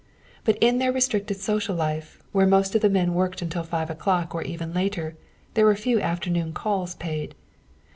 But in their restricted social life, where most of the men worked until five o'clock or even later, there were fewer afternoon calls paid.